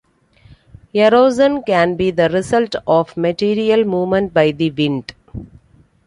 Erosion can be the result of material movement by the wind.